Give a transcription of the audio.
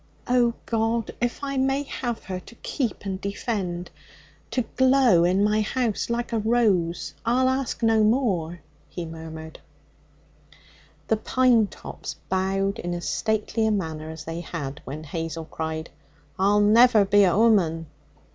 'Oh, God, if I may have her to keep and defend, to glow in my house like a rose, I'll ask no more,' he murmured. The pine tops bowed in as stately a manner as they had when Hazel cried, 'I'll never be a woman!'